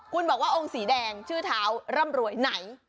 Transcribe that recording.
คุณบอกว่าองค์สีแดงชื่อเท้าร่ำรวยไหน